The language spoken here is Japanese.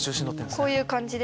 こういう感じで。